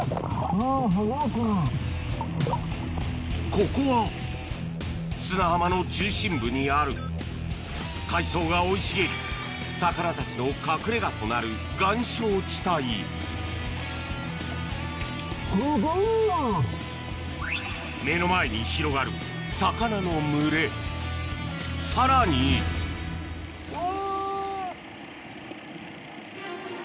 ここは砂浜の中心部にある海藻が生い茂り魚たちの隠れ家となる岩礁地帯目の前に広がる魚の群れさらにお！